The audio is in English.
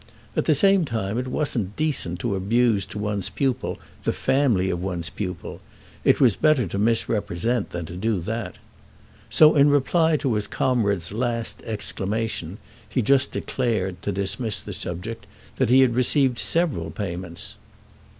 At the same time it wasn't decent to abuse to one's pupil the family of one's pupil; it was better to misrepresent than to do that. So in reply to his comrade's last exclamation he just declared, to dismiss the subject, that he had received several payments.